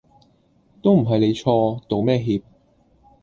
都唔係你錯，道咩歉